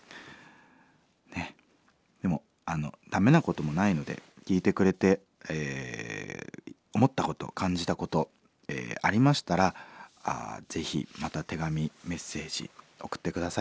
ねっでも駄目なこともないので聴いてくれて思ったこと感じたことありましたらぜひまた手紙メッセージ送って下さいね。